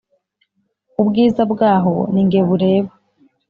Ubwiza bwaho ninge bureba